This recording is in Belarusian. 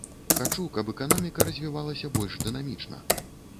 Хачу, каб эканоміка развівалася больш дынамічна.